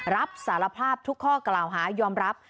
รับสารภาพทุกข้อกล่าวหายอมรับ